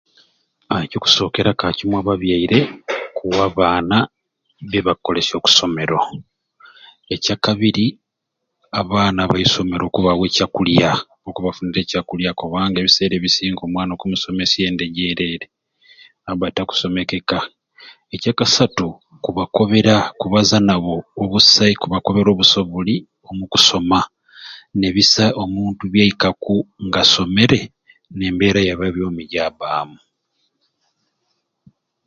Haa ekikusokera kakyarumwei ababeire kuwa baana byebakukolesya oku somero ekyakabiri abaana baisomero okubawa ekyakulya okubagunira ekyakulya kubanga ebiseera ebisinga omwana omusomesya enda egyerere tasyomekeka ekya kasatu kubakobera kubaza nabo obusai kubakobera obusai obuli omu kusoma ne bisai omuntu byakaku nga asomere nembera ya nebyabomi byabamu